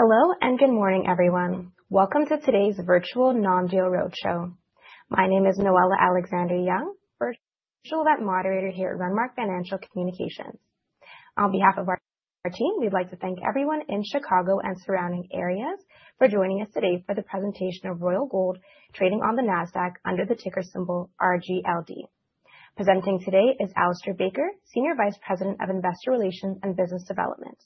Hello and good morning everyone. Welcome to today's Virtual Non-Deal Roadshow. My name is Noella Alexander-Young, Virtual Event Moderator here at Renmark Financial Communications. On behalf of our team, we'd like to thank everyone in Chicago and surrounding areas for joining us today for the presentation of Royal Gold trading on the Nasdaq under the ticker symbol RGLD. Presenting today is Alistair Baker, Senior Vice President of Investor Relations and Business Development.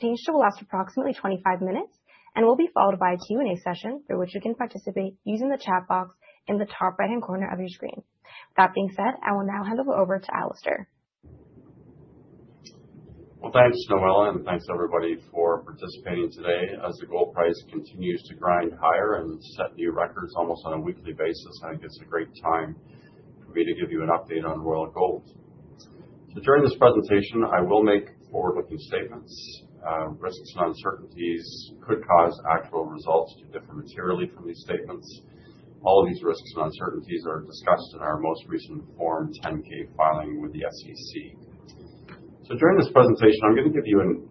The presentation will last approximately 25 minutes and will be followed by a Q&A session through which you can participate using the chat box in the top right hand corner of your screen. That being said, I will now hand it over to Alistair. Thanks Noella and thanks everybody for participating today. As the gold price continues to grind higher and set new records almost on a weekly basis, I think it's a great time for me to give you an update on Royal Gold. During this presentation I will make forward looking statements. Risks and uncertainties could cause actual results to differ materially from these statements. All of these risks and uncertainties are discussed in our most recent Form 10-K filing with the SEC. During this presentation I'm going to give you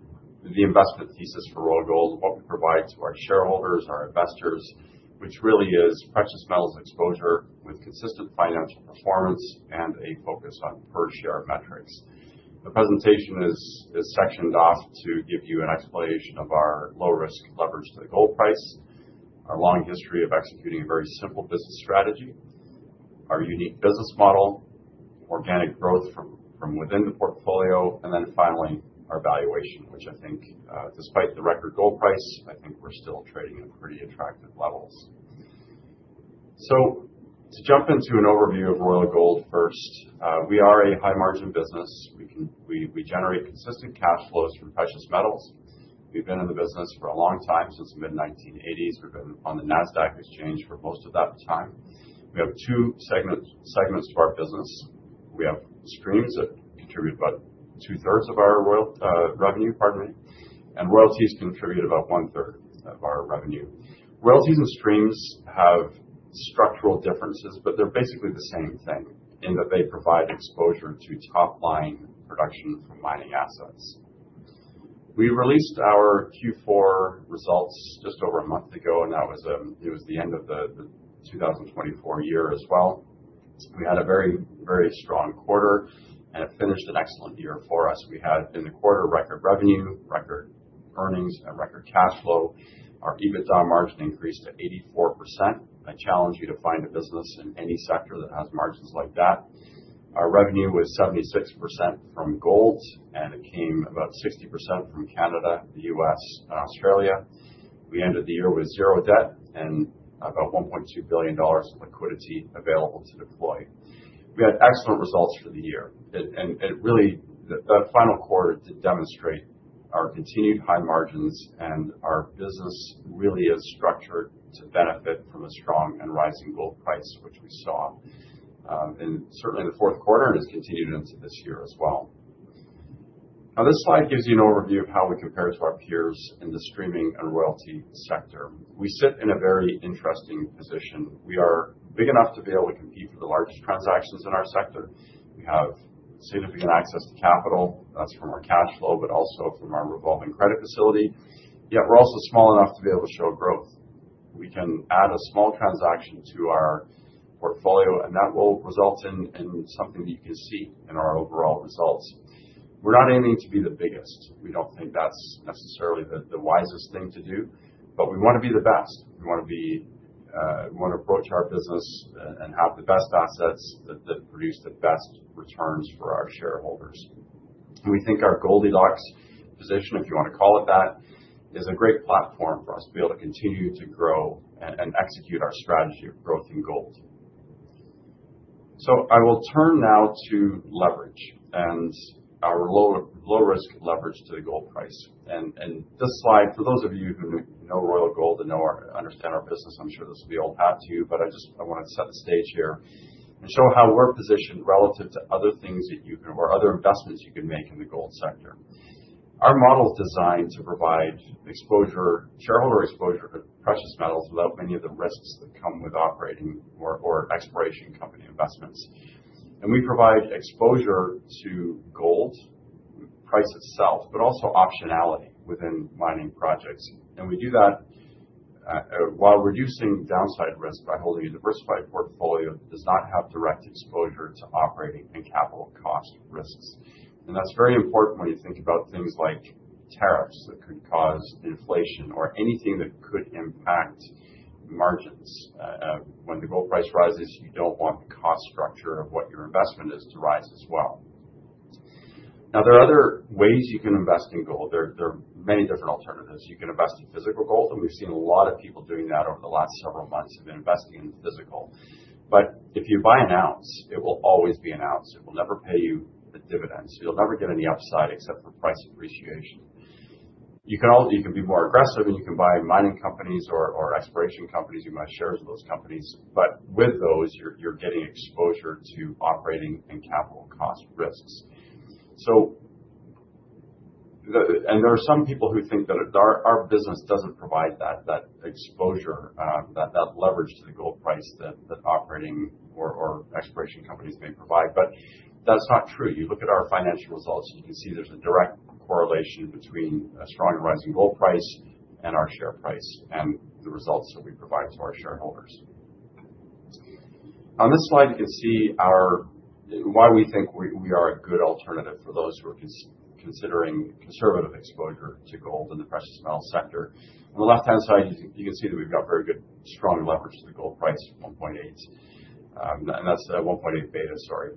the investment thesis for Royal Gold. What we provide to our shareholders, our investors, which really is precious metals exposure with consistent financial performance and a focus on per share metrics. The presentation is sectioned off to give you an explanation of our low risk leverage to the gold price, our long history of executing a very simple business strategy, our unique business model, organic growth from within the portfolio, and then finally our valuation which I think despite the record gold price, I think we're still trading at pretty attractive levels. To jump into an overview of Royal Gold first, we are a high margin business. We generate consistent cash flows from precious metals. We've been in the business for a long time, since the mid-1980s. We've been on the NASDAQ exchange for most of that time. We have two segments to our business. We have streams that contribute about 2/3 of our revenue. Pardon me, and royalties contribute about one third of our revenue. Royalties and streams have structural differences but they're basically the same thing in that they provide exposure to top line production from mining assets. We released our Q4 results just over a month ago and that was. It was the end of the 2024 year as well. We had a very, very strong quarter and it finished an excellent year for us. We had in the quarter record revenue, record earnings and record cash flow. Our EBITDA margin increased to 84%. I challenge you to find a business in any sector that has margins like that. Our revenue was 76% from gold and it came about 60% from Canada, the U.S. and Australia. We ended the year with zero debt and about $1.2 billion of liquidity available to deploy. We had excellent results for the year and really the final quarter did demonstrate our continued high margins. Our business really is structured to benefit from a strong and rising gold price, which we saw certainly in the fourth quarter and has continued into this year as well. This slide gives you an overview of how we compare to our peers in the streaming and royalty sector. We sit in a very interesting position. We are big enough to be able to compete for the largest transactions in our sector. We have significant access to capital that's from our cash flow, but also from our revolving credit facility. Yet we're also small enough to be able to show growth. We can add a small transaction to our portfolio and that will result in something that you can see in our overall results. We're not aiming to be the biggest. We don't think that's necessarily the wisest thing to do. We want to be the best. We want to approach our business and have the best assets that produce the best returns for our shareholders. We think our Goldilocks position, if you want to call it that, is a great platform for us to be able to continue to grow and execute our strategy of growth in gold. I will turn now to leverage and our low risk leverage to the gold price and this slide. For those of you who know Royal Gold and understand our business, I'm sure this will be old hat to you, but I just wanted to set the stage here and show how we're positioned relative to other things that you can or other investments you can make in the gold sector. Our model is designed to provide exposure, shareholder exposure, precious metals, without many of the risks that come with operating or exploration company investments. We provide exposure to gold price itself, but also optionality within mining projects. We do that while reducing downside risk by holding a diversified portfolio that does not have direct exposure to operating and capital cost risks. That is very important when you think about things like tariffs that could cause inflation or anything that could impact margins. When the gold price rises, you do not want the cost structure of what your investment is to rise as well. There are other ways you can invest in gold. There are many different alternatives. You can invest in physical gold, and we have seen a lot of people doing that over the last several months have been investing in physical. If you buy an ounce, it will always be an ounce. It will never pay you the dividends. You'll never get any upside except for price appreciation. You can be more aggressive and you can buy mining companies or exploration companies. You buy shares of those companies. With those you're getting exposure to operating and capital cost risks. There are some people who think that our business doesn't provide that exposure, that leverage to the gold price that operating or exploration companies may provide. That's not true. You look at our financial results, you can see there's a direct correlation between a strong and rising gold price and our share price and the results that we provide to our shareholders. On this slide you can see why we think we are a good alternative for those who are considering conservative exposure to gold in the precious metals sector. On the left hand side you can see that we've got very good strong leverage to the gold price. 1.8 and that's 1.8 beta. Sorry.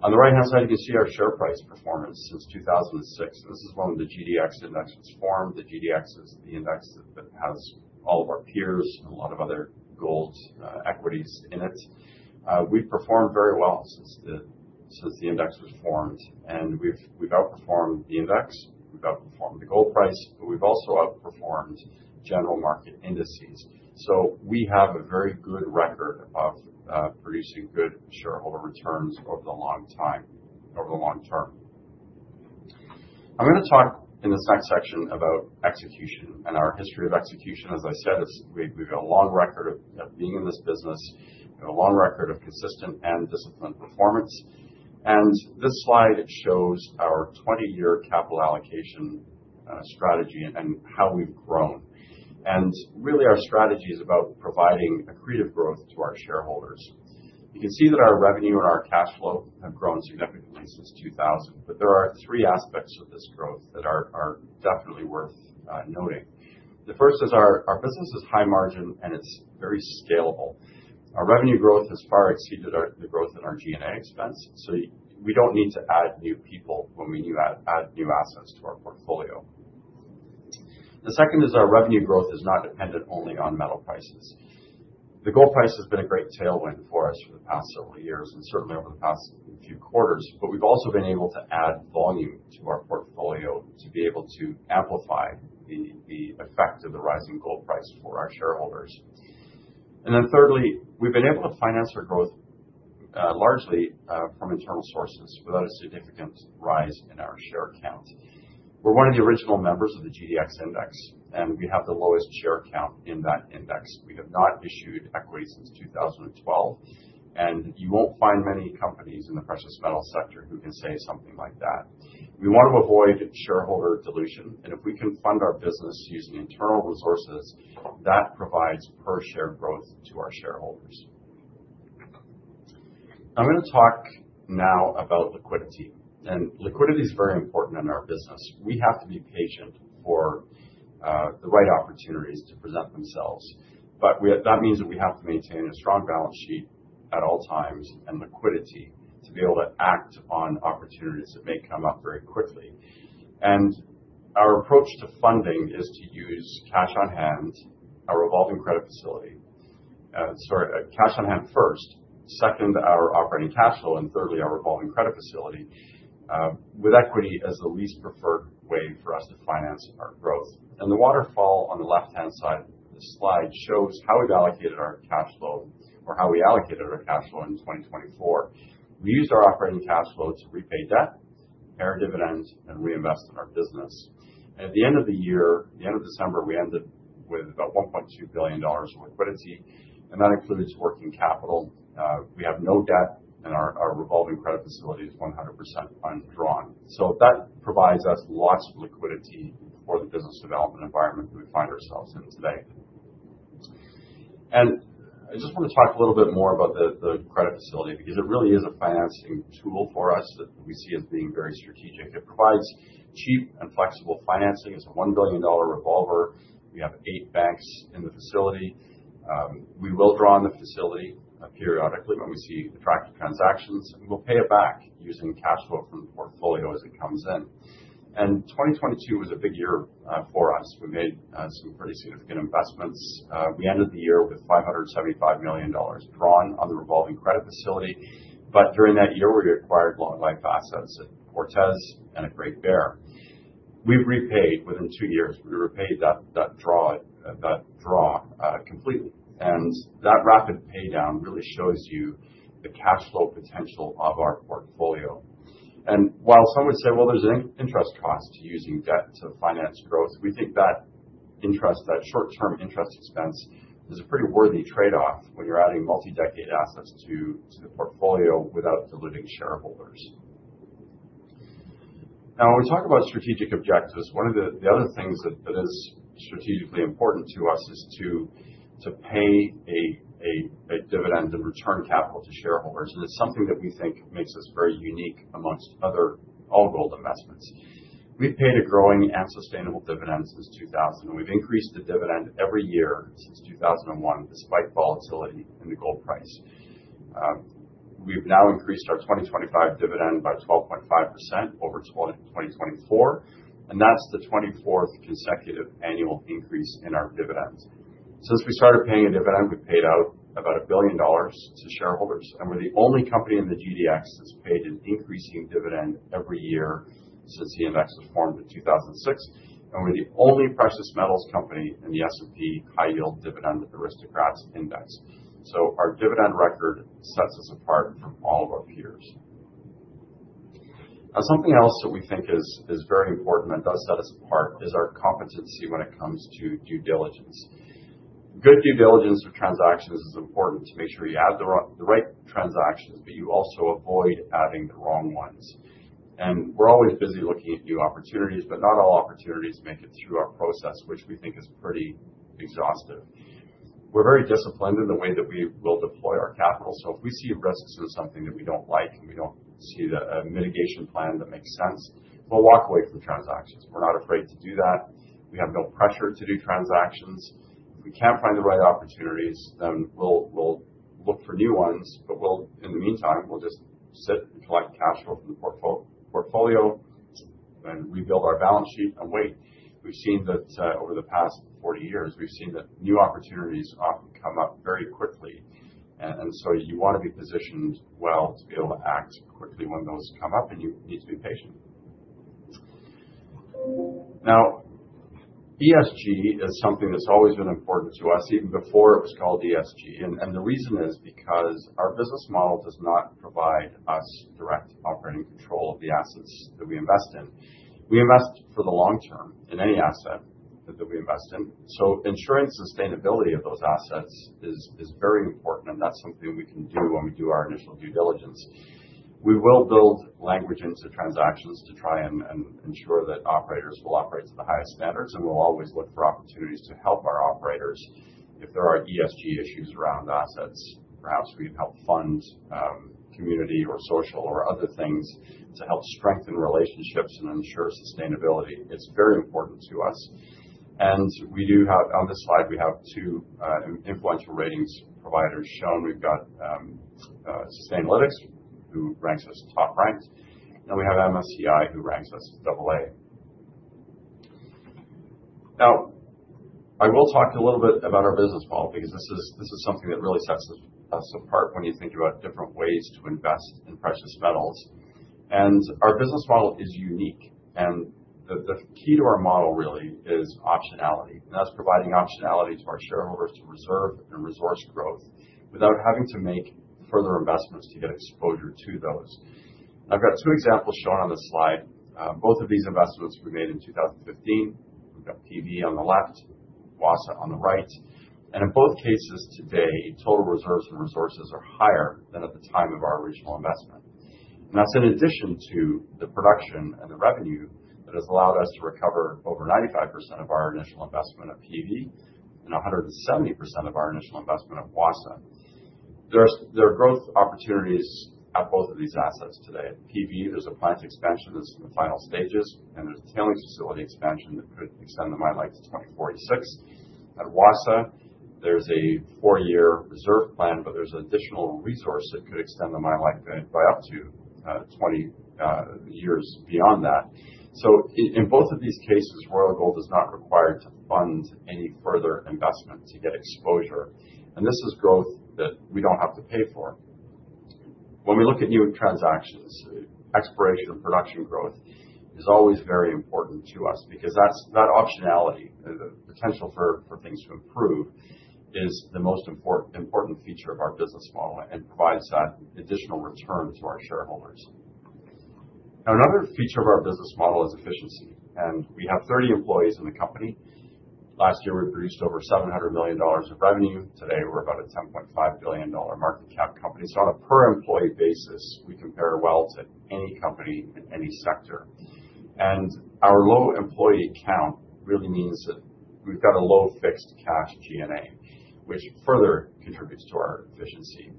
On the right hand side you can see our share price performance since 2006. This is when the GDX index was formed. The GDX is the index that has all of our peers and a lot of other gold equities in it. We performed very well since the index was formed and we outperformed the index. We've outperformed the gold price, but we've also outperformed general market indices. We have a very good record of producing good shareholder returns over the long time, over the long term. I'm going to talk in this next section about execution and our history of execution. As I said, we've got a long record of being in this business. A long record of consistent and disciplined performance. This slide shows our 20 year capital allocation strategy and how we've grown. Our strategy is about providing accretive growth to our shareholders. You can see that our revenue and our cash flow have grown significantly since 2000. There are three aspects of this growth that are definitely worth noting. The first is our business is high margin and it's very scalable. Our revenue growth has far exceeded the growth in our G&A expense. We don't need to add new people when we add new assets to our portfolio. The second is our revenue growth is not dependent only on metal prices. The gold price has been a great tailwind for us for the past several years and certainly over the past few quarters. We have also been able to add volume to our portfolio to be able to amplify the effect of the rising gold price for our shareholders. Thirdly, we have been able to finance our growth largely from internal sources without a significant rise in our share count. We are one of the original members of the GDX index and we have the lowest share count in that index. We have not issued equity since 2012. You will not find many companies in the precious metals sector who can say something like that. We want to avoid shareholder dilution. If we can fund our business using internal resources that provides per share growth to our shareholders. I am going to talk now about liquidity. Liquidity is very important in our business. We have to be patient for the right opportunities to present themselves. That means that we have to maintain a strong balance sheet at all times and liquidity to be able to act on opportunities that may come up very quickly. Our approach to funding is to use cash on hand, our revolving credit facility, sorry, cash on hand first, second, our operating cash flow, and thirdly, our revolving credit facility, with equity as the least preferred way for us to finance our growth. The waterfall on the left hand side, this slide shows how we've allocated our cash flow or how we allocated our cash flow. In 2024, we used our operating cash flow to repay debt, pay our dividend, and reinvest in our business. At the end of the year, the end of December, we ended with about $1.2 billion of liquidity. That includes working capital. We have no debt. Our revolving credit facility is 100% fundraising. That provides us lots of liquidity for the business development environment that we find ourselves in today. I just want to talk a little bit more about the credit facility because it really is a financing tool for us that we see as being very strategic. It provides cheap and flexible financing. It's a $1 billion revolver. We have eight banks in the facility. We will draw on the facility periodically. When we see attractive transactions, we'll pay it back using cash flow from the portfolio as it comes in. 2022 was a big year for us. We made some pretty significant investments. We ended the year with $575 million drawn on the revolving credit facility. During that year, we acquired long life assets at Cortez and at Great Bear. We repaid within two years. We repaid that draw, that draw completely. That rapid pay down really shows you the cash flow potential of our portfolio. While some would say, well, there is an interest cost to using debt to finance growth, we think that interest, that short term interest expense is a pretty worthy trade off when you are adding multi decade assets to the portfolio without diluting shareholders. Now, when we talk about strategic objectives, one of the other things that is strategically important to us is to pay a dividend and return capital to shareholders. It is something that we think makes us very unique amongst other all gold investments. We paid a growing and sustainable dividend since 2000 and we've increased the dividend every year since 2001 despite volatility in the gold price. We've now increased our 2025 dividend by 12.5% over what it was in 2024. That is the 24th consecutive annual increase in our dividends since we started paying a dividend. We paid out about $1 billion to shareholders and we're the only company in the GDX that's paid an increasing dividend every year since the index was formed in 2006. We're the only precious metals company in the S&P High Yield Dividend Aristocrats Index. Our dividend record sets us apart from all of our peers. Now, something else that we think is very important that does set us apart is our competency when it comes to due diligence. Good due diligence of transactions is important to make sure you add the right transactions, but you also avoid adding the wrong ones. We're always busy looking at new opportunities. Not all opportunities make it through our process, which we think is pretty exhaustive. We're very disciplined in the way that we will deploy our capital. If we see risks in something that we don't like and we don't see a mitigation plan that makes sense, we'll walk away from transactions. We're not afraid to do that. We have no pressure to do transactions. If we can't find the right opportunities, then we'll look for new ones. In the meantime, we'll just sit and collect cash flow from the portfolio and rebuild our balance sheet and wait. We've seen that over the past 40 years. We've seen that new opportunities often come up very quickly. You want to be positioned well to be able to act quickly when those come up. You need to be patient. Now, ESG is something that's always been important to us, even before it was called ESG. The reason is because our business model does not provide us direct operating control of the assets that we invest in. We invest for the long term in any asset that we invest in. Ensuring sustainability of those assets is very important and that's something we can do. When we do our initial due diligence, we will build language into transactions to try and ensure that operators will operate to the highest standards. We will always look for opportunities to help our operators. If there are ESG issues around assets, perhaps we can help fund community or social or other things to help strengthen relationships and ensure sustainability. It's very important to us and we do have on this slide we have two influential ratings providers shown. We've got Sustainalytics, who ranks us top ranked, and we have MSCI who ranks us AA. Now I will talk a little bit about our business model because this is something that really sets us apart when you think about different ways to invest in precious metals. Our business model is unique. The key to our model really is optionality. That's providing optionality to our shareholders to reserve and resource growth without having to make further investments to get exposure to those. I've got two examples shown on this slide. Both of these investments we made in 2015, we've got PV on the left, Wassa on the right. In both cases today, total reserves and resources are higher than at the time of our original investment. That's in addition to the production and the revenue that has allowed us to recover over 95% of our initial investment of PV and 170% of our initial investment of Wassa. There are growth opportunities at both of these assets today. PV, there's a plant expansion that's in the final stages. There's a tailings facility expansion that could extend the mine life to 2046. At Wassa, there's a four-year reserve plan, but there's additional resource that could extend the mine life by up to 20 years beyond that. In both of these cases, Royal Gold is not required to fund any further investment to get exposure. This is growth that we don't have to pay for when we look at new transactions. Exploration and production growth is always very important to us because that optionality, the potential for things to improve, is the most important feature of our business model and provides that additional return to our shareholders. Another feature of our business model is efficiency. We have 30 employees in the company. Last year we produced over $700 million of revenue. Today we're about a $10.5 billion market cap company. On a per employee basis, we compare well to any company in any sector. Our low employee count really means that we've got a low fixed cash G&A which further contributes to our efficiency.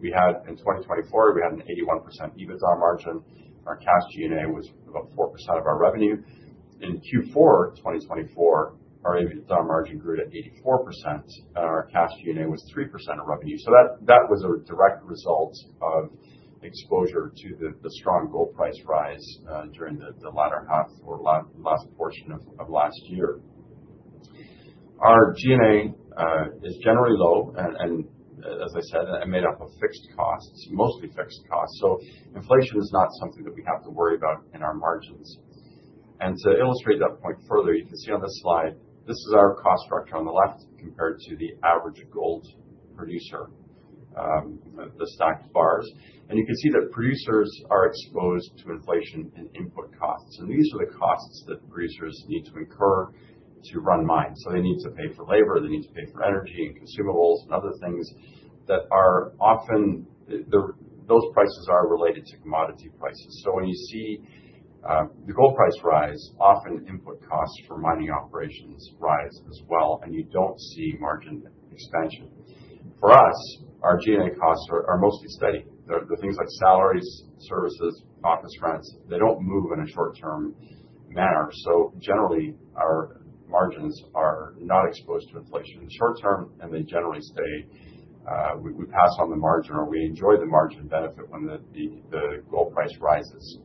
We had in 2024 an 81% EBITDA margin. Our cash G&A was about 4% of our revenue. In Q4, 2024, our EBITDA margin grew to 84% and our cash G&A was 3% of revenue. That was a direct result of exposure to the strong gold price rise during the latter half or last portion of last year. Our G&A is generally low and, as I said, made up of fixed costs, mostly fixed costs. Inflation is not something that we have to worry about in our margins. To illustrate that point further, you can see on this slide, this is our cost structure on the left compared to the average gold producer, the stacked bars. You can see that producers are exposed to inflation and input costs. These are the costs that producers need to incur to run mines. They need to pay for labor, they need to pay for energy and construction consumables and other things that are often those prices are related to commodity prices. When you see the gold price rise, often input costs for mining operations rise as well. You do not see margin expansion. For us, our G&A costs are mostly steady. Things like salaries, services, office rents, they do not move in a short term manner. Generally our margins are not exposed to inflation in the short term and they generally stay. We pass on the margin or we enjoy the margin benefit when the gold price rises.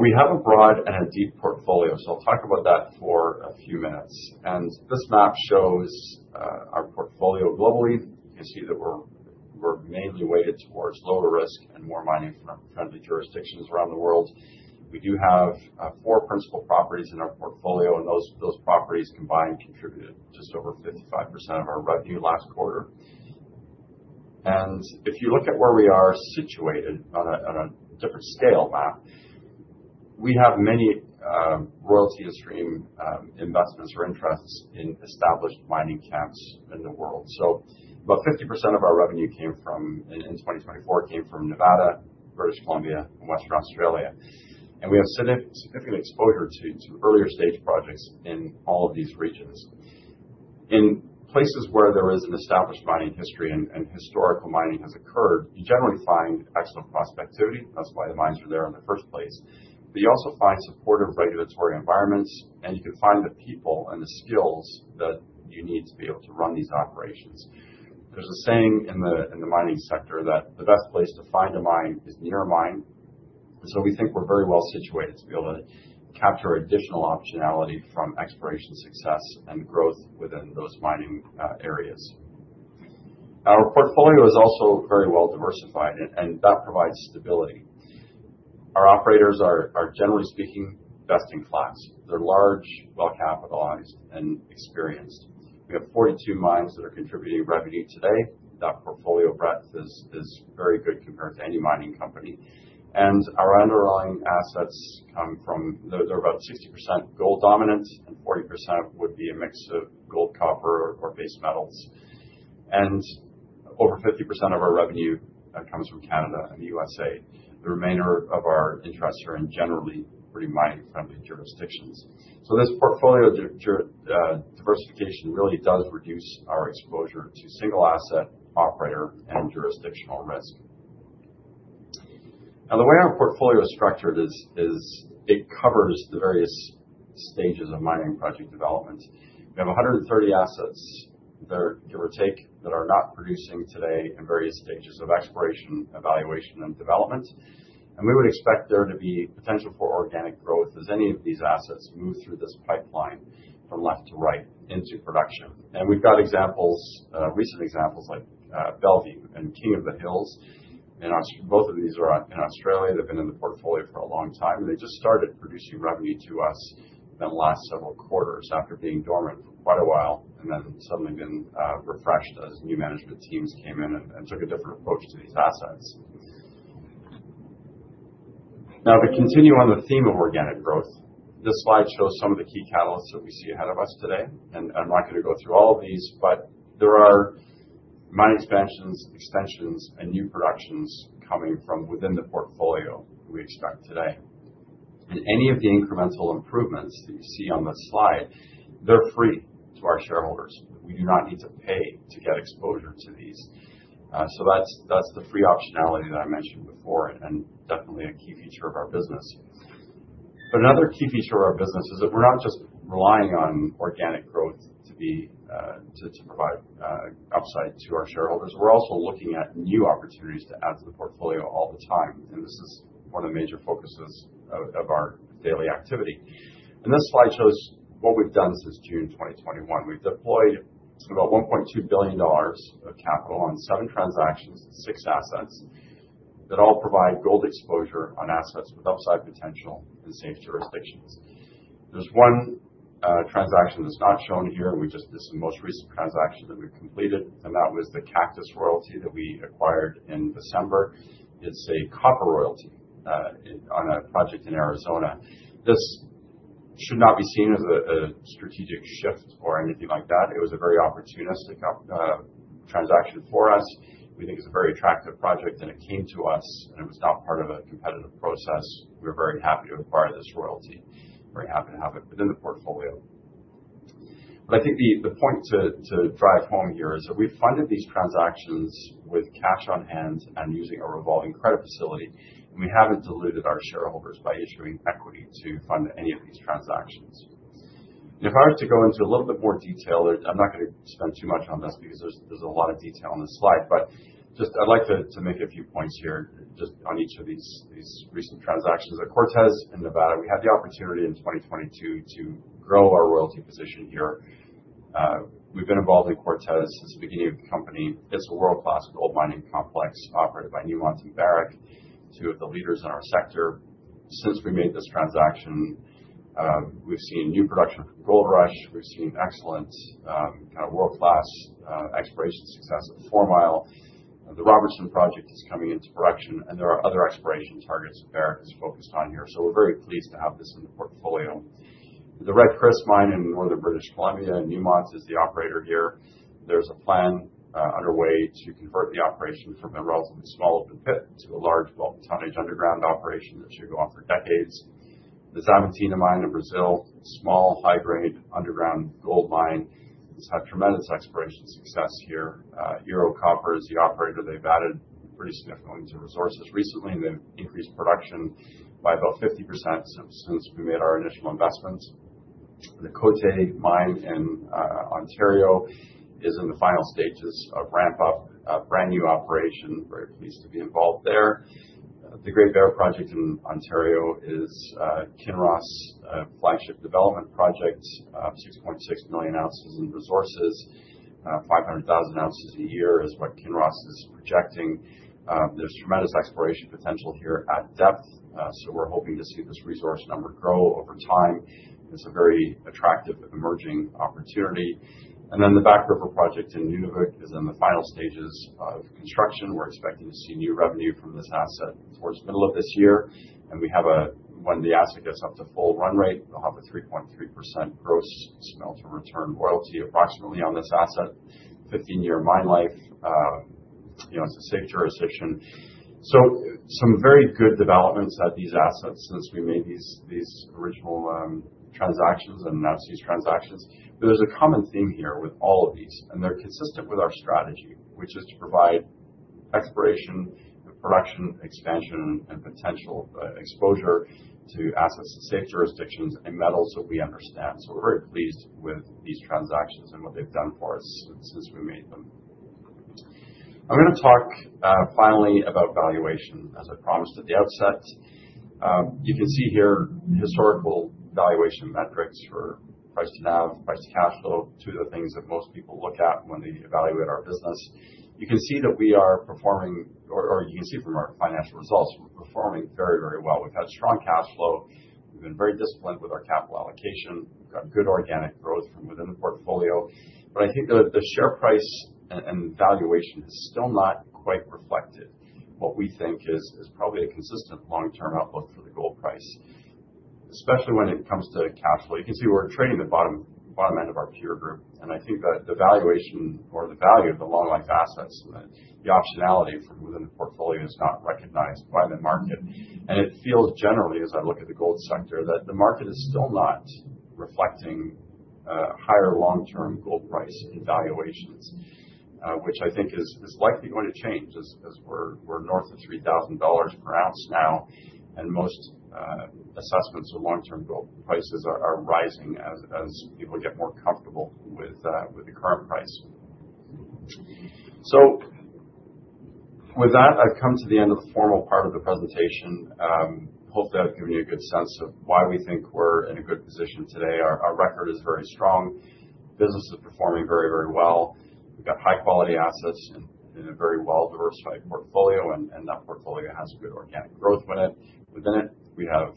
We have a broad and a deep portfolio. I will talk about that for a few minutes. This map shows our portfolio globally. You see that we are mainly weighted towards lower risk and more mining-friendly jurisdictions around the world. We do have four principal properties in our portfolio and those properties combined contributed just over 55% of our revenue last quarter. If you look at where we are situated on a different scale, map, we have many royalty stream investments or interests in established mining camps in the world. About 50% of our revenue in 2024 came from Nevada, British Columbia, and Western Australia. We have significant exposure to earlier stage projects in all of these regions. In places where there is an established mining history and historical mining has occurred, you generally find excellent prospectivity. That is why the mines are there in the first place. You also find supportive regulatory environments and you can find the people and the skills that you need to be able to run these operations. There is a saying in the mining sector that the best place to find a mine is near a mine. We think we're very well situated to be able to capture additional optionality from exploration success and growth within those mining areas. Our portfolio is also very well diversified and that provides stability. Our operators are generally speaking best in class. They're large, well capitalized and experienced. We have 42 mines that are contributing revenue today. That portfolio breadth is very good compared to any mining company. Our underlying assets come from about 60% gold dominant and 40% would be a mix of gold, copper or base metals. Over 50% of our revenue comes from Canada and the U.S. The remainder of our interests are in generally pretty mining friendly jurisdictions. This portfolio diversification really does reduce our exposure to single asset, operator and jurisdictional risk. The way our portfolio is structured is it covers the various stages of mining project development. We have 130 assets that are, give or take, that are not producing today in various stages of exploration, evaluation and development. We would expect there to be potential for organic growth as any of these assets move through this pipeline from left to right into production. We have examples, recent examples like Bellevue and King of the Hills. Both of these are in Australia. They have been in the portfolio for a long time and they just started producing revenue to us in the last several quarters after being dormant for quite a while and then suddenly been refreshed as new management teams came in and took a different approach to these assets. Now to continue on the theme of organic growth, this slide shows some of the key catalysts that we see ahead of us today. I'm not going to go through all of these, but there are mine expansions, extensions, and new productions coming from within the portfolio we expect to. Any of the incremental improvements that you see on this slide, they're free to our shareholders. We do not need to pay to get exposure to these. That's the free optionality that I mentioned before and definitely a key feature of our business. Another key feature of our business is that we're not just relying on organic growth to provide upside to our shareholders. We're also looking at new opportunities to add to the portfolio all the time. This is one of the major focuses of our daily activity. This slide shows what we've done since June 2021. We've deployed about $1.2 billion of capital on seven transactions, six assets that all provide gold exposure on assets with upside potential in safe jurisdictions. There's one transaction that's not shown here. We just discussed and most recent transaction that we've completed and that was the Cactus Royalty that we acquired in December. It's a copper royalty on a project in Arizona. This should not be seen as a strategic shift or anything like that. It was a very opportunistic transaction for us. We think it's a very attractive project and it came to us and it was not part of a competitive process. We were very happy to acquire this royalty, very happy to have it within the portfolio. I think the point to drive home here is that we've funded these transactions with cash on hand and using a revolving credit facility. We haven't diluted our shareholders by issuing equity to fund any of these transactions. If I were to go into a little bit more detail, I'm not going to spend too much on this because there's a lot of detail on this slide. I would like to make a few points here just on each of these recent transactions. At Cortez in Nevada we had the opportunity in 2022 to grow our royalty position here. We've been involved in Cortez since the beginning of the company. It's a world class gold mining complex operated by Newmont and Barrick, two of the leaders in our sector. Since we made this transaction we've seen new production from Goldrush. We've seen excellent kind of world class exploration schemes. Success of Fourmile. The Robertson project is coming into production and there are other exploration targets that Barrick is focused on here. We're very pleased to have this in the portfolio. The Red Chris mine in northern British Columbia. Newmont is the operator here. There's a plan underway to convert the operation from a relatively small open pit to a large bulk tonnage underground operation that should go on for decades. The Xavantina mine in Brazil, small high grade underground gold mine. It's had tremendous exploration success here. Ero Copper is the operator. They've added pretty significantly to resources recently. They've increased production by about 50% since we made our initial investments. The Côté mine in Ontario is in the final stages of ramp up. Brand new operation. Very pleased to be involved there. The Great Bear project in Ontario is Kinross flagship development project. 6.6 million ounces in resources, 500,000 ounces a year is what Kinross is projecting. There's tremendous exploration potential here at depth. We're hoping to see this resource number grow over time. It's a very attractive emerging opportunity. The Back River project in Nunavut is in the final stages of construction. We're expecting to see new revenue from this asset towards the middle of this year, and when the asset gets up to full run rate, we'll have a 3.3% gross smelter return royalty approximately on this asset. Fifteen year mine life. You know, it's a safe jurisdiction. Some very good developments at these assets since we made these original transactions and announced these transactions. There's a common theme here with all of these, and they're consistent with our strategy, which is to provide exploration, production, expansion, and potential exposure to assets in safe jurisdictions and metals that we understand. We're very pleased with these transactions and what they've done for us since we made them. I'm going to talk finally about valuation as I promised at the outset. You can see here historical valuation metrics for price to NAV, price to cash flow. Two of the things that most people look at when they evaluate our business. You can see that we are performing or you can see from our financial results we're performing very, very well. We've had strong cash flow, we've been very disciplined with our capital allocation. We've got good organic growth from within the portfolio. I think the share price and valuation is still not quite reflected. What we think is probably a consistent long term outlook for the, the gold price, especially when it comes to cash flow. You can see we're trading at the bottom end of our peer group and I think that the valuation or the value of the long life assets, the optionality from within the portfolio is not recognized by the market. It feels generally as I look at the gold sector that the market is still not reflecting higher long term gold price evaluations which I think is likely going to change as we're north of $3,000 per ounce now and most assessments of long term gold prices are rising as people get more comfortable with the current price. With that, I've come to the end of the formal part of the presentation. Hopefully I've given you a good sense of why we think we're in a good position today. Our record is very strong, business is performing very, very well. We've got high quality assets in a very well diversified portfolio and that portfolio has good organic growth in it, within it. We have,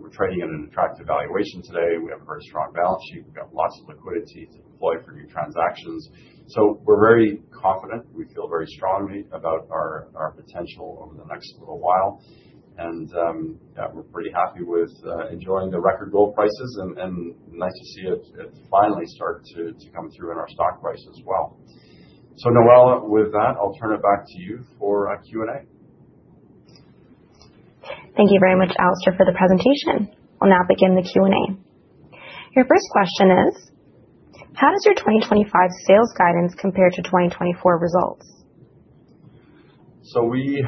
we're trading at an attractive valuation today. We have a very strong balance sheet, we've got lots of liquidity to deploy for new transactions. We are very confident, we feel very strongly about our potential over the next little while and we're pretty happy with enjoying the record gold prices and nice to see it finally start to come through in our stock price as well. Noella, with that I'll turn it back to you for Q&A. Thank you very much, Alistair, for the presentation. We'll now begin the Q&A. Your first question is how does your 2025 sales guidance compare to 2024 results? We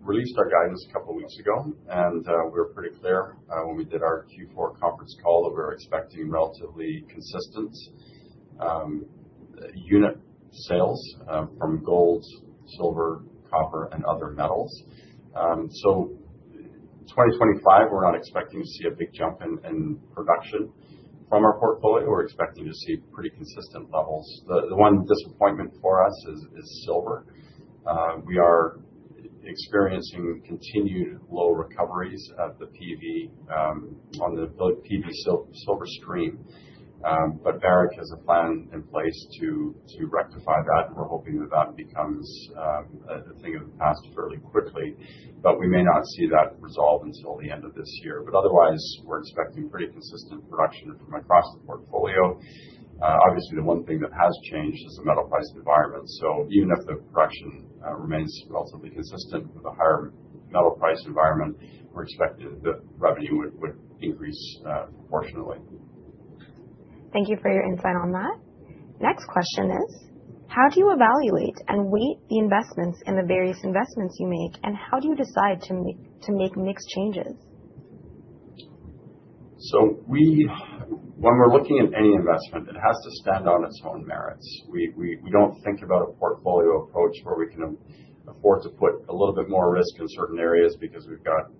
released our guidance a couple weeks ago and we were pretty clear when we did our Q4 conference call that we were expecting relatively consistent unit sales from gold, silver, copper and other metals. For 2025, we're not expecting to see a big jump in production from our portfolio. We're expecting to see pretty consistent levels. The one disappointing for us is silver. We are experiencing continued low recoveries of the PV on the PV Silver Stream. Barrick has a plan in place to rectify that. We're hoping that that becomes a thing of the past fairly quickly. We may not see that resolve until the end of this year. Otherwise we're expecting pretty consistent production across the portfolio. Obviously the one thing that has changed is the metal price environment. Even if the production remains relatively consistent with the higher metal price environment, we're expected that revenue would increase proportionately. Thank you for your insight on that. Next question is how do you evaluate and weight the investments in the various investments you make and how do you decide to make mixed changes? When we're looking at any investment, it has to stand on its own merits. We don't think about a portfolio approach where we can afford to put a little bit more risk in certain areas because we've got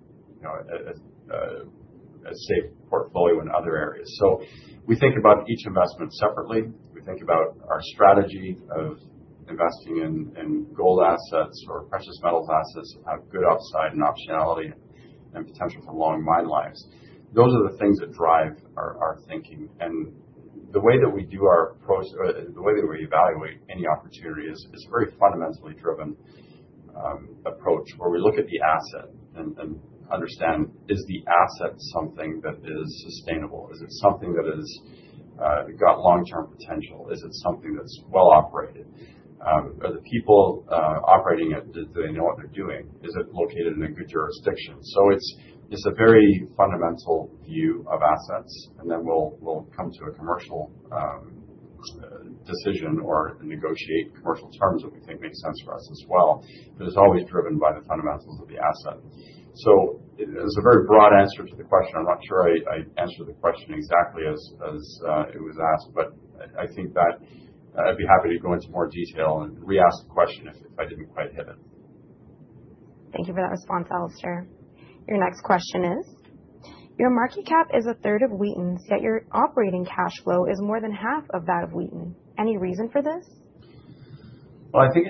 a safe portfolio in other areas. We think about each investment separately. We think about our strategy of investing in gold assets or precious metals. Assets have good upside and optionality and potential for long mine lives. Those are the things that drive our thinking and the way that we do our pro, the way that we evaluate any opportunity is very fundamentally driven approach where we look at the asset and understand is the asset something that is sustainable, is it something that has got long term potential, is it something that's well operated? Are the people operating it, do they know what they're doing? Is it located in a good jurisdiction? It's a very fundamental view of assets and then we'll come to a commercial decision or negotiate commercial terms that we think make sense for us as well. It's always driven by the fundamentals of the asset. There's a very broad answer to the question. I'm not sure I answered the question exactly as it was asked, but I think that I'd be happy to go into more detail and re-ask the question if I didn't quite hit it. Thank you for that response, Alistair. Your next question is your market cap is a third of Wheaton's, yet your operating cash flow is more than half of that of Wheaton. Any reason for this? I think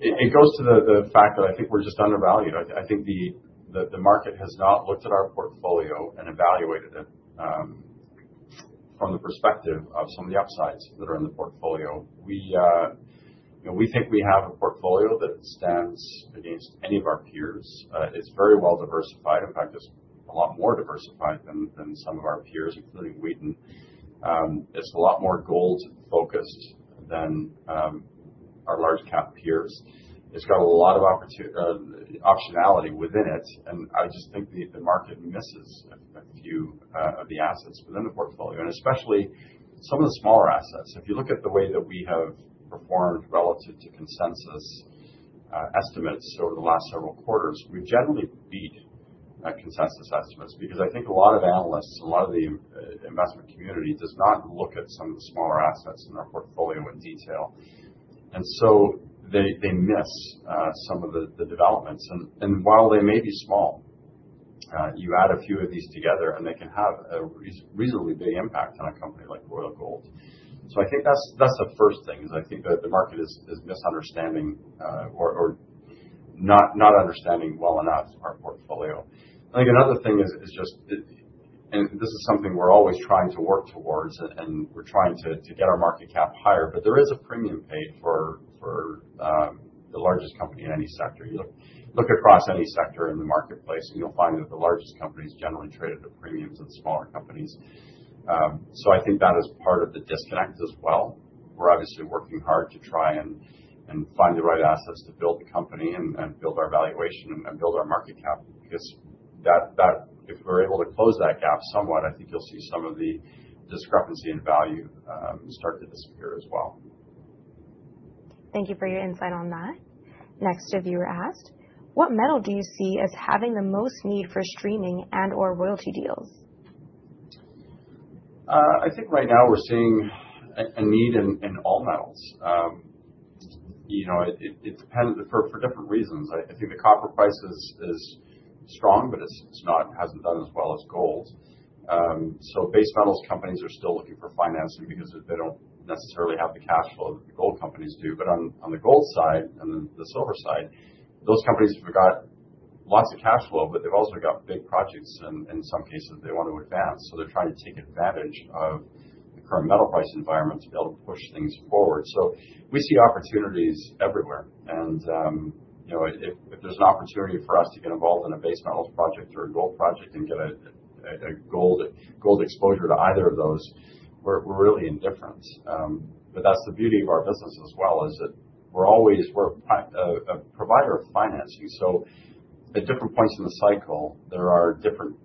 it goes to the fact that I think we're just undervalued. I think that the market has not looked at our portfolio and evaluated it from the perspective of some of the upsides that are in the portfolio. We think we have a portfolio that stands against any of our peers. It's very well diversified. In fact, it's a lot more diversified than some of our peers, including Wheaton. It's a lot more gold focused than our large cap peers. It's got a lot of optionality within it and I just think the market misses a few of the assets within the portfolio and especially some of the smaller assets. If you look at the way that we have performed relative to consensus estimates over the last several quarters, we generally beat consensus estimates because I think a lot of analysts, a lot of the investment community does not look at some of the smaller assets in their portfolio in detail and they miss some of the developments. While they may be small, you add a few of these together and they can have a reasonably big impact on a company like Royal Gold. I think that's the first thing is I think that the market is misunderstanding or not understanding well enough our portfolio. I think another thing is just, and this is something we're always trying to work towards, we're trying to get our market cap higher. There is a premium paid for the largest company in any sector. Look across any sector in the marketplace and you'll find that the largest companies generally traded at premiums and smaller companies. I think that is part of the disconnect as well. We're obviously working hard to try and find the right assets to build the company and build our valuation and build our market cap. If we're able to close that gap somewhat, I think you'll see some of the discrepancy in value start to disappear as well. Thank you for your insight on that. Next, a viewer asked what metal do you see as having the most need for streaming and or royalty deals? I think right now we're seeing a need in all metals. You know, it depends on for different reasons. I think the copper price is strong, but it hasn't done as well as gold. Base metals companies are still looking for financing because they don't necessarily have the cash flow that the gold companies do. On the gold side and the silver side, those companies have got lots of cash flow, but they've also got big projects and in some cases they want to advance. They're trying to take advantage of the current metal price environment to be able to push things forward. We see opportunities everywhere. If there's an opportunity for us to get involved in a base metals project or a gold project and get a gold exposure to either of those, we're really indifferent. That is the beauty of our business as well, is that we are always a provider of financing. At different points in the cycle, there are different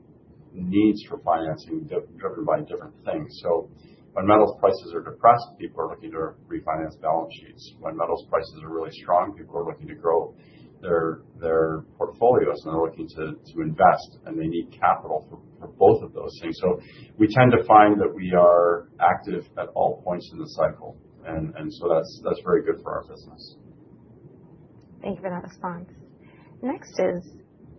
needs for financing driven by different things. When metals prices are depressed, people are looking to refinance balance sheets. When metals prices are really strong, people are looking to grow their portfolios and they are looking to invest and they need capital for both of those things. We tend to find that we are active at all points in the cycle and that is very good for our business. Thank you for that response. Next,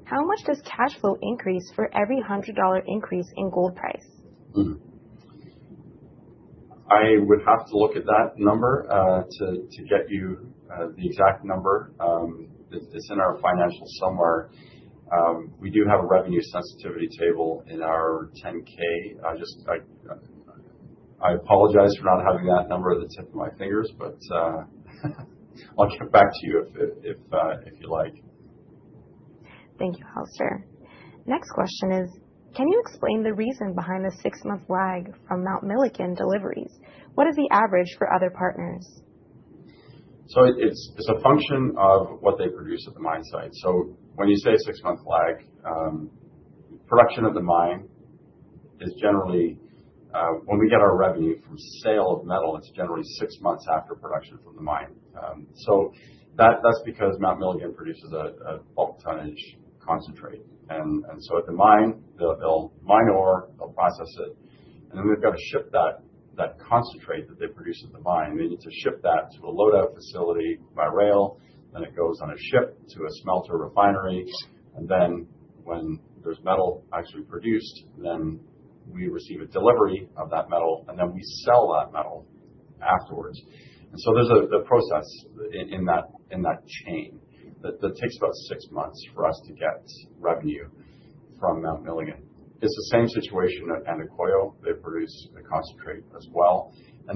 how much does cash flow increase for every $100 increase in gold price? I would have to look at that number to get you the exact number. It's in our financials somewhere. We do have a revenue sensitivity table in our 10-K. I apologize for not having that number at the tip of my fingers, but I'll get back to you if you like. Thank you, Alistair. Next question is, can you explain the reason behind the six month lag from Mount Milligan deliveries? What is the average for other partners? It's a function of what they produce at the mine site. When you say six month lag, production of the mine is generally when we get our revenue from sale of metal, it's generally six months after production from the mine. That's because Mount Milligan produces a bulk tonnage concentrate. At the mine they'll mine ore, they'll process it, and then they've got to ship that concentrate that they produce at the mine. They need to ship that to a loadout facility by rail, then it goes on a ship to a smelter refinery. When there's metal actually produced, then we receive a delivery of that metal and then we sell that metal afterwards. There's a process in that chain that takes about six months for us to get revenue from Mount Milligan. It's the same situation at Andacollo. They produce a concentrate as well. At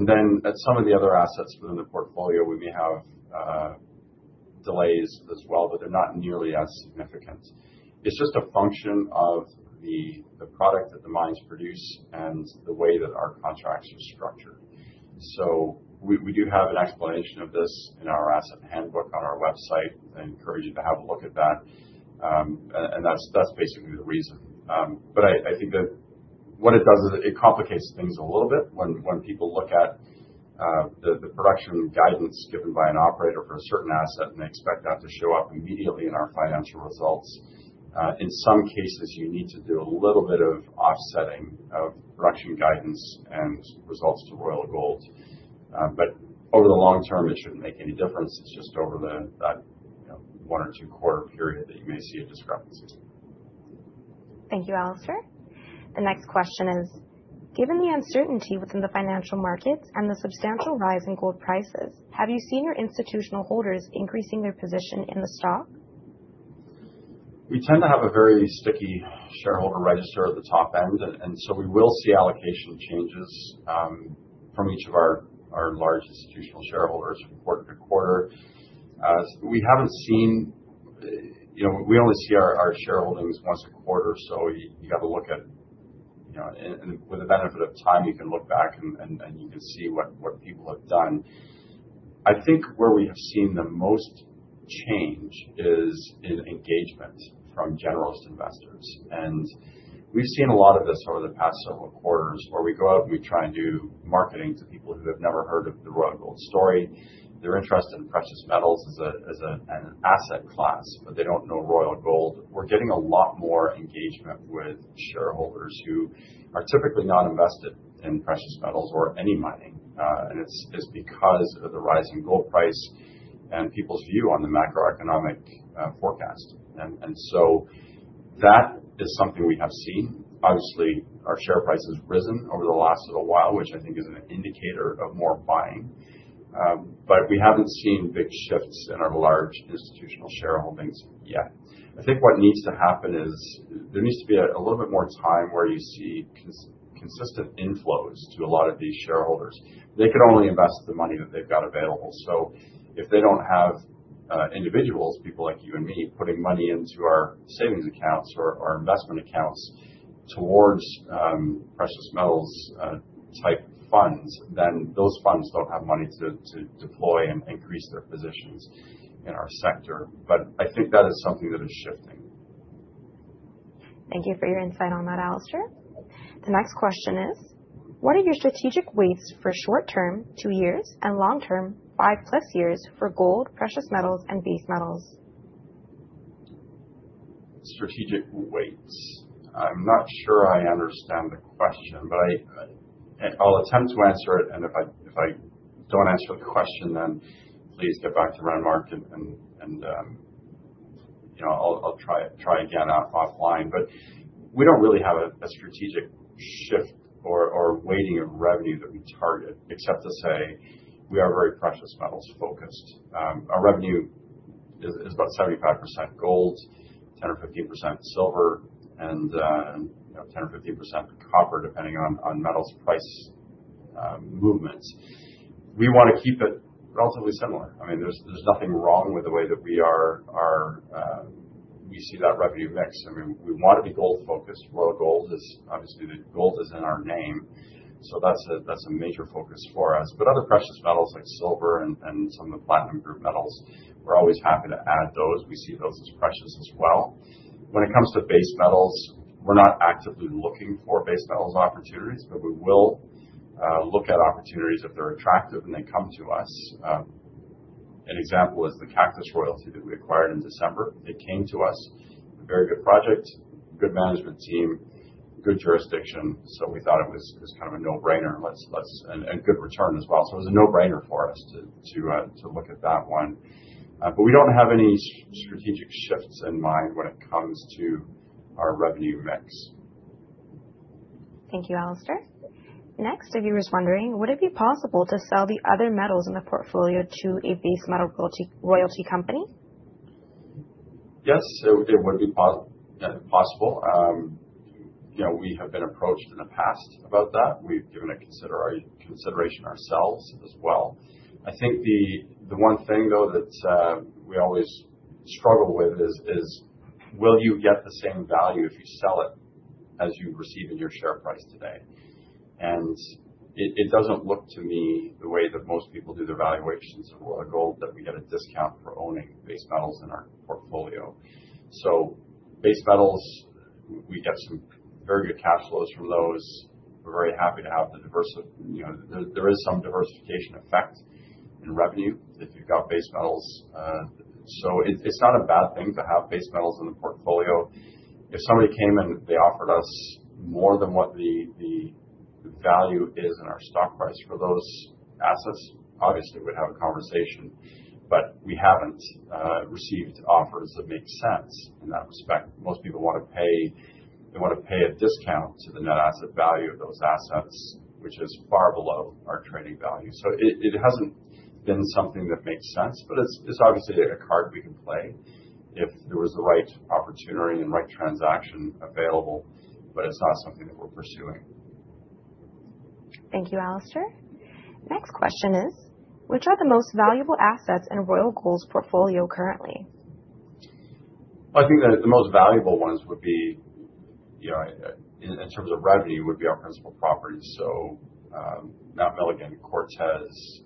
some of the other assets within the portfolio, we may have delays as well, but they're not nearly as significant. It's just a function of the product that the mines produce and the way that our contracts are structured. We do have an explanation of this in our asset handbook on our website. I encourage you to have a look at that. That's basically the reason. I think that what it does is it complicates things a little bit when people look at the purpose production guidance given by an operator for a certain asset and they expect that to show up immediately in our financial results. In some cases you need to do a little bit of offsetting of production guidance and results to Royal Gold, but over the long term it shouldn't make any difference. It's just over that one or two quarter period that you may see a discrepancy. Thank you, Alistair. The next question is, given the uncertainty within the financial markets and the substantial rise in gold prices, have you seen your institutional holders increasing their position in the stock? We tend to have a very sticky shareholder register at the top end and we will see allocation changes from each of our large institutional shareholders from quarter-to-quarter. We have not seen, you know, we only see our shareholdings once a quarter. You have to look at, you know, with the benefit of time, you can look back, and you can see what people have done. I think where we have seen the most change is in engagement from generalist investors. We have seen a lot of this over the past several quarters where we go out and we try and do marketing to people who have never heard of the Royal Gold story. They are interested in precious metals, an asset class, but they do not know Royal Gold. We're getting a lot more engagement with shareholders who are typically not invested in precious metals or any mining. It is because of the rising gold price and people's view on the macroeconomic forecast. That is something we have seen. Obviously our share price has risen over the last little while, which I think is an indicator of more buying. We have not seen big shifts in our large institutional shareholdings yet. I think what needs to happen is there needs to be a little bit more time where you see consistent inflows to a lot of these shareholders. They can only invest the money that they've got available. If they do not have individuals, people like you and me, putting money into our savings accounts or our investment accounts towards precious metals type funds, then those funds do not have money to deploy and increase their positions in our sector. I think that is something that is shifting. Thank you for your insight on that, Alistair. The next question is what are your strategic weights for short term 2 years and long term 5+ years for gold, precious metals and base metals. Strategic weights? I'm not sure I understand the question, but I'll attempt to answer it, and if I don't answer the question then please get back to Renmark and, you know, I'll try again offline. We don't really have a strategic shift or weighting of revenue that we target except to say we are very precious metals focused. Our revenue is about 75% gold, 10%-15% silver, and 10%-15% copper depending on metals price movements. We want to keep it relatively similar. I mean, there's nothing wrong with the way that we are. We see that revenue mix. I mean, we want to be gold focused, Royal Gold, obviously the gold is in our name so that's a major focus for us. Other precious metals like silver and some of the platinum group metals, we're always happy to add those. We see those as precious as well. When it comes to base metals, we're not actively looking for base metals opportunities, but we will look at opportunities if they're attractive and they come to us. An example is the Cactus Royalty that we acquired in December. It came to us a very good project, good management team, good jurisdiction. We thought it was kind of a no brainer and good return as well. It was a no brainer for us to look at that one. We don't have any strategic shifts in mind when it comes to our revenue mix. Thank you, Alistair. Next, a viewer is wondering would it be possible to sell the other metals in the portfolio to a base metal royalty company? Yes, it would be possible. You know, we have been approached in the past about that. We've given it our consideration ourselves as well. I think the one thing though that we always struggle with is will you get the same value if you sell it as you receive in your share price today? It doesn't look to me the way that most people do the valuations of gold that we get a discount for owning base metals in our portfolio. Base metals, we get some very good cash flows from those. We're very happy to have the diversity. You know, there is some diversification effect in revenue if you've got base metals. It's not a bad thing to have base metals in the portfolio. If somebody came and they offered us more than what the value is in our stock price for those assets, obviously we'd have a conversation, but we haven't received offers that make sense in that respect. Most people want to pay, they want to pay a discount to the net asset value of those assets, which is far below our trading value. It hasn't been something that makes sense, but it's obviously a card we can play if there was the right opportunity and right transaction available. It's not something that we're pursuing. Thank you, Alistair. Next question is, which are the most valuable assets in Royal Gold's portfolio currently? I think that the most valuable ones would be in terms of revenue, would be our principal properties. Mount Milligan, Cortez,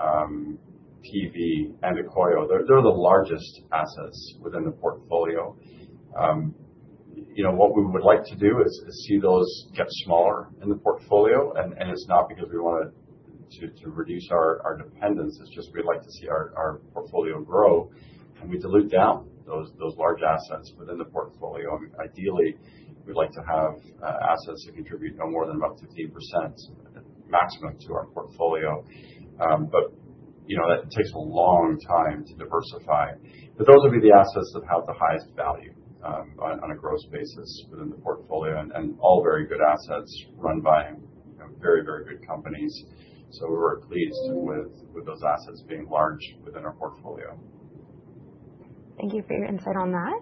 PV, and Andacollo, they're the largest assets within the portfolio. You know what we would like to do is see those get smaller in the portfolio. It's not because we wanted to reduce our dependence, it's just we'd like to see our portfolio grow and we dilute down those large assets within the portfolio. Ideally we'd like to have assets that contribute no more than about 15% maximum to our portfolio, but that takes a long time to diversify. Those would be the assets that have the highest value on a gross basis within the portfolio and all very good assets run by very, very good companies. We were pleased with those assets being large within our portfolio. Thank you for your insight on that.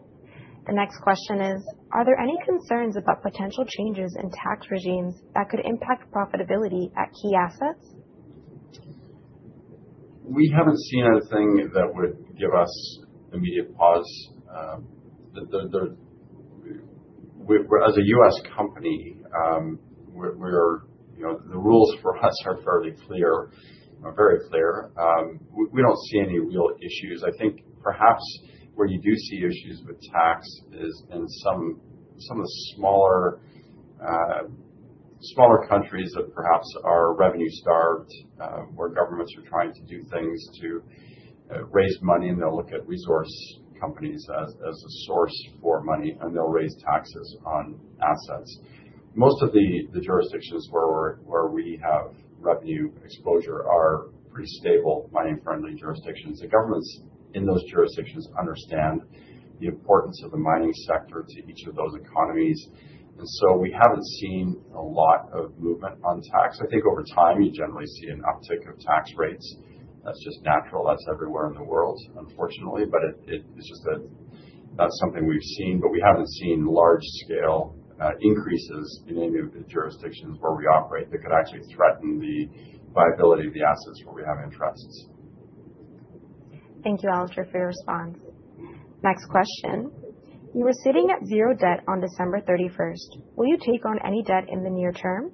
The next question is, are there any concerns about potential changes in tax regimes that could impact profitability at key assets? We haven't seen anything that would give us immediate pause as a U.S. company. We're, you know, the rules for us are fairly clear, very clear. We don't see any real issues. I think perhaps where you do see issues with tax is in some of the smaller countries that perhaps are revenue starved, where governments are trying to do things to raise money and they'll look at resource companies as a source for money and they'll raise taxes on assets. Most of the jurisdictions where we have revenue exposure are pretty stable, money friendly jurisdictions. The governments in those jurisdictions understand the importance of the mining sector to each of those economies. We haven't seen a lot of movement on tax. I think over time you generally see an uptick of tax rates. That's just natural. That's everywhere in the world, unfortunately. That is just that that's something we've seen, but we haven't seen large scale increases in any of the jurisdictions where we operate that could actually threaten the viability of the assets where we have interests. Thank you, Alistair, for your response. Next question. You were sitting at zero debt on December 31st. Will you take on any debt in the near term?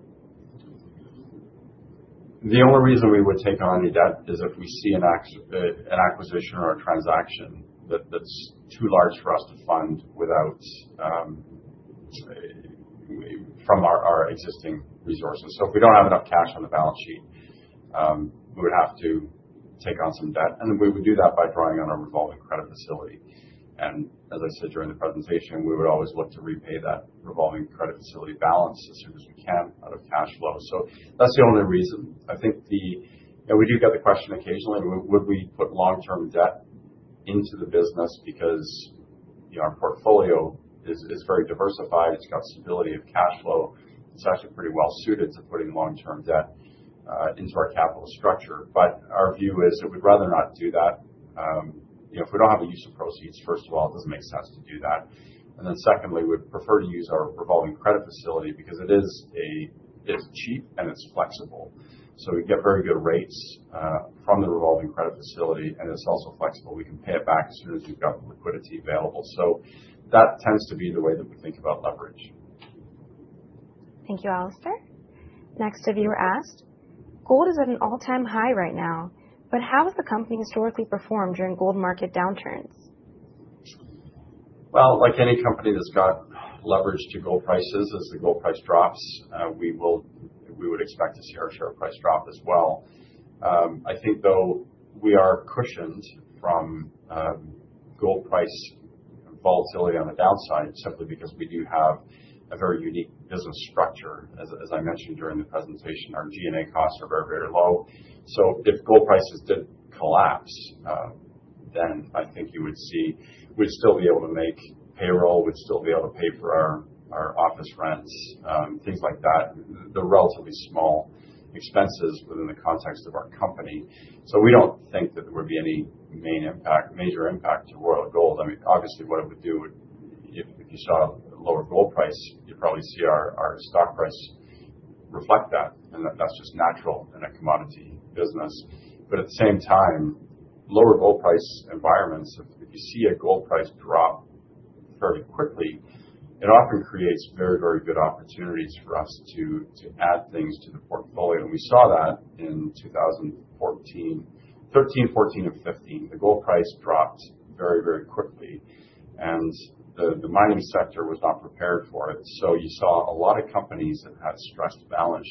The only reason we would take on any debt is if we see an acquisition or a transaction that's too large for us to fund without from our existing resources. If we don't have enough cash on the balance sheet, we would have to take on some debt. We would do that by drawing on our revolving credit facility. As I said during the presentation, we would always look to repay that revolving credit facility balance as soon as we can out of cash flow. That's the only reason. I think we do get the question occasionally, would we put long term debt into the business? Because our portfolio is very diversified, it's got stability of cash flow. It's actually pretty well suited to putting long term debt into our capital structure. Our view is that we'd rather not do that if we don't have a use of proceeds. First of all, it doesn't make sense to do that. Secondly, we prefer to use our revolving credit facility because it is cheap and it's flexible. We get very good rates from the revolving credit facility and it's also flexible. We can pay it back as soon as we've got liquidity available. That tends to be the way that we think about leverage. Thank you, Alistair. Next, a viewer asked gold is at an all-time high right now, but how has the company historically performed during gold market downturns? Like any company that's got leverage to gold prices, as the gold price drops, we would expect to see our share price drop as well. I think though we are cushioned from gold price volatility on the downside simply because we do have a very unique business structure. As I mentioned during the presentation, our G&A costs are very, very low. If gold prices did collapse, then I think you would see we'd still be able to make payroll, we'd still be able to pay for our office rents, things like that. They're relatively small expenses within the context of our company. We don't think that there would be any main impact, major impact to Royal Gold. I mean obviously what it would do if you saw a lower gold price, you probably see our stock price reflect that and that's just natural in a commodity business. At the same time lower gold price environments, if you see a gold price drop fairly quickly, it often creates very, very good opportunities for us to add things to the portfolio. We saw that in 2013, 2014 and 2015 the gold price dropped very, very quickly and the mining sector was not prepared for it. You saw a lot of companies that had stressed balance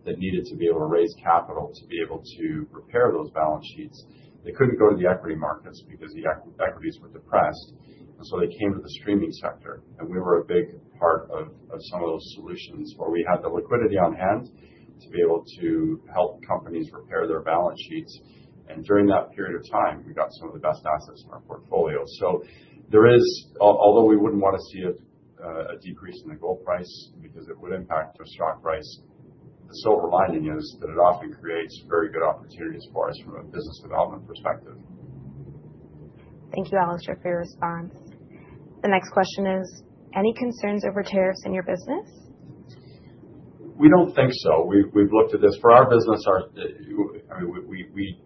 sheets that needed to be able to raise capital to be able to repair those balance sheets. They could not go to the equity markets because the equities were depressed. They came to the streaming sector. We were a big part of some of those solutions where we had the liquidity on hand to be able to help companies repair their balance sheets. During that period of time, we got some of the best assets in our portfolio. There is, although we wouldn't want to see a decrease in the gold price because it would impact a stock price, the silver lining is that it often creates very good opportunities for us from a business development perspective. Thank you, Alistair, for your response. The next question is any concerns over tariffs in your business? We do not think so. We have looked at this for our business.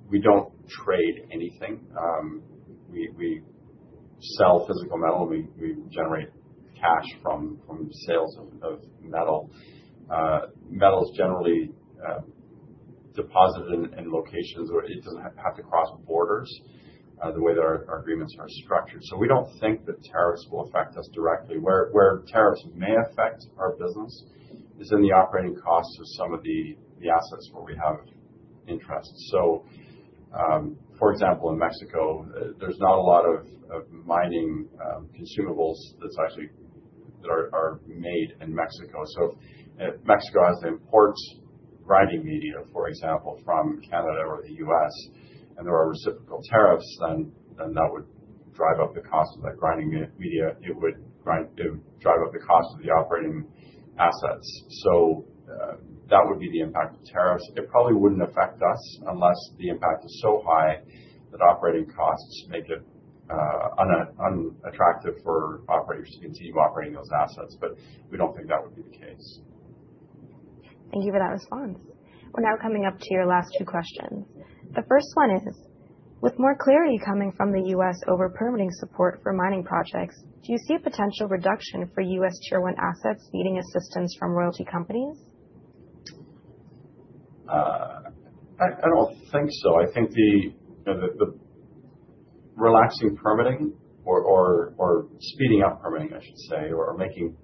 We do not trade anything. We sell physical metal. We generate cash from sales of metal. Metal is generally deposited in locations. It does not have to cross borders the way that our agreements are structured. We do not think that tariffs will affect us directly. Where tariffs may affect our business is in the operating costs of some of the assets where we have interest. For example, in Mexico, there is not a lot of mining consumables that is actually made in Mexico. If Mexico has to import grinding media, for example, from Canada or the U.S. and there are reciprocal tariffs, that would drive up the cost of that grinding media. It would drive up the cost of the operating assets. That would be the impact of tariffs. It probably would not affect us unless. Unless the impact is so high that operating costs make it unattractive for operators to continue operating those assets. We do not think that would be the case. Thank you for that response. We're now coming up to your last two questions. The first one is, with more clarity coming from the U.S. over permitting support for mining projects, do you see a potential reduction for U.S. Tier 1 assets needing assistance from royalty companies? I don't think so. I think the relaxing permitting or speeding up permitting, I should say, or making permitting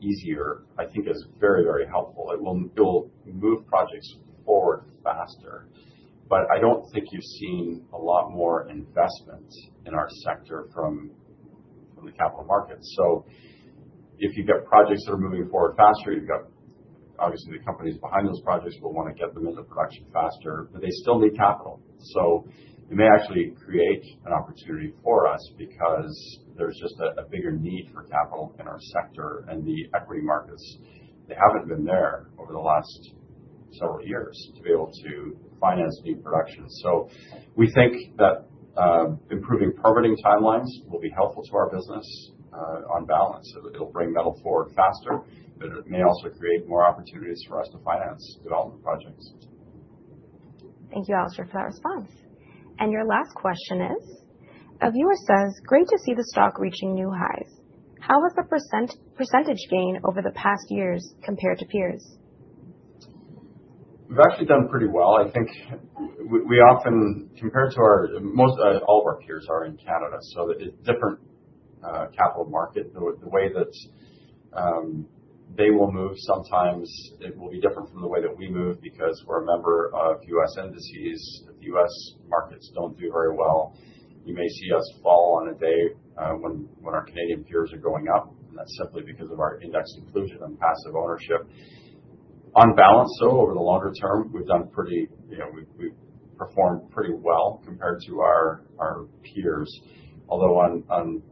easier, I think is very, very helpful. It will move projects forward faster. I don't think you've seen a lot more investment in our sector from the capital market. If you've got projects that are moving forward faster, obviously the companies behind those projects will want to get them into production faster, but they still need capital. It may actually create an opportunity for us because there's just a bigger need for capital in our sector and the equity markets, they haven't been there over the last several years to be able to finance new production. We think that improving permitting timelines will be helpful to our business. On balance, it will bring metal forward faster, but it may also create more opportunities for us to finance development projects. Thank you, Alistair, for that response. Your last question is a viewer says great to see the stock reaching new highs. How was the percentage gain over the past years compared to peers? We've actually done pretty well, I think we often compared to our most all of our peers are in Canada so it's different capital market, the way that they will move. Sometimes it will be different from the way that we move because we're a member of U.S. indices. If the U.S. markets don't do very well, you may see us fall on a day when our Canadian peers are going up and that's simply because of our index inclusion and passive ownership on balance. Over the longer term we've done pretty, you know, we performed pretty well compared to our peers, although on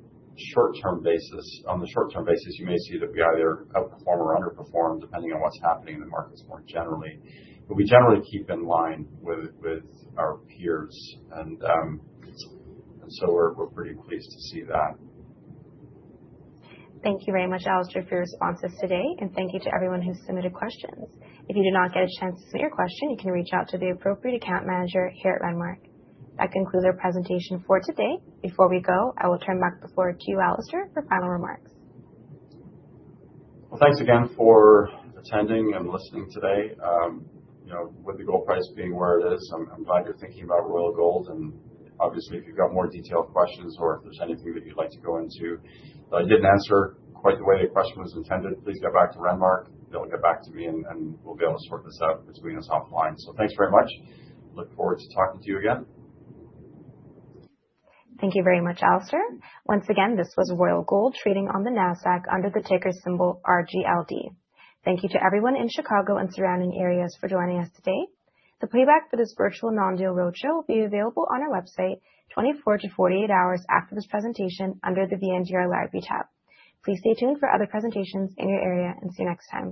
short term basis. On the short term basis you may see that we either outperform or underperform depending on what's happening in the markets more generally. We generally keep in line with our peers and so we're pretty pleased to see that. Thank you very much, Alistair, for your responses today and thank you to everyone who submitted questions. If you did not get a chance to submit your question, you can reach out to the appropriate account manager here at Renmark. That concludes our presentation for today. Before we go, I will turn back the floor to you, Alistair, for final remarks. Thanks again for attending and listening today. You know, with the gold price being where it is, I'm glad you're thinking about Royal Gold and obviously if you've got more detailed questions or if there's anything that you'd like to go into. I didn't answer quite the way the question was intended. Please get back to Renmark. They'll get back to me, and we'll be able to sort this out between us offline. Thanks very much. Look forward to talking to you again. Thank you very much, Alistair. Once again, this was Royal Gold trading on the NASDAQ under the ticker symbol RGLD. Thank you. Thank you to everyone in Chicago and surrounding areas for joining us today. The playback for this Virtual Non-Deal Roadshow will be available on our website 24-48 hours after this presentation under the VNDR Library tab. Please stay tuned for other presentations in your area and see you next time.